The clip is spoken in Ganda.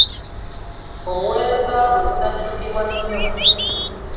Obuweereza bwe bunajjukirwa nnyo.